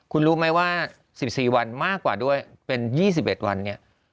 คุณรู้ไหมว่า๑๔วันมากกว่าด้วยเป็น๒๑วันเนี่ย